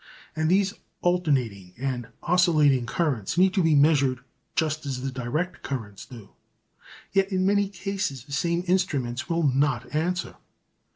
And these alternating and oscillating currents need to be measured just as the direct currents do. Yet in many cases the same instruments will not answer.